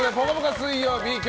水曜日